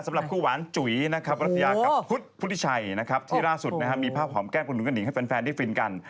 สำหรับคู่หวานจุ๋ยรัฐยากรพุทธิชัยที่ล่าสุดมีภาพหอมแก้มคุณหนูกับหนิงให้แฟนได้ฟินกัน